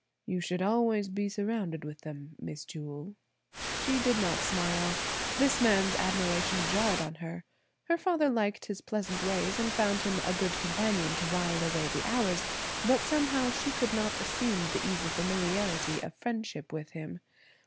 "You should always be surrounded with them, Miss Jewel." She did not smile. This man's admiration jarred on her. Her father liked his pleasant ways and found him a good companion to wile away the hours, but somehow she could not assume the easy familiarity of friendship with him.